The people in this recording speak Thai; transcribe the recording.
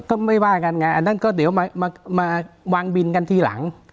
ก็ไม่ว่ากันไงอันนั้นก็เดี๋ยวมาวางบินกันทีหลัง